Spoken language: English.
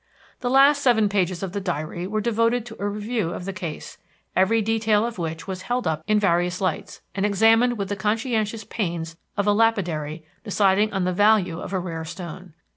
The last seven pages of the diary were devoted to a review of the case, every detail of which was held up in various lights, and examined with the conscientious pains of a lapidary deciding on the value of a rare stone.